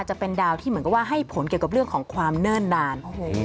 จะเป็นดาวที่เหมือนกับว่าให้ผลเกี่ยวกับเรื่องของความเนิ่นนาน